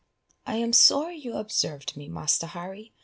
"I am sorry you observed me, Master Harry!